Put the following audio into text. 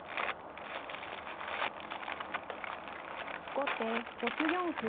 後手６四歩。